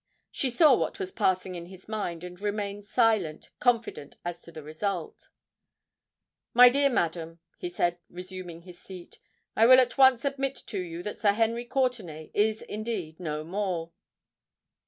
She saw what was passing in his mind, and remained silent, confident as to the result. "My dear madam," he said, resuming his seat, "I will at once admit to you that Sir Henry Courtenay is indeed no more."